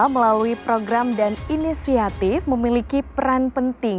melalui program dan inisiatif memiliki peran penting